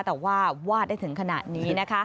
แต่ว่าวาดได้ถึงขนาดนี้นะคะ